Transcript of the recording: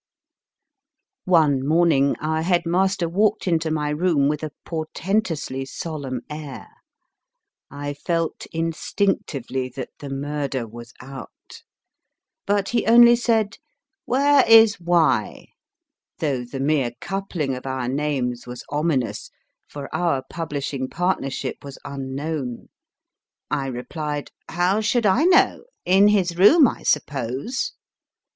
One morning our head master walked into my room with a portentously solemn air. I felt instinc tively that the murder was out. But he only said, W T here is Y. ? though the mere coupling of our names was ominous, for our pub lishing partnership was un known. I replied, How should I know ? In his room, I suppose.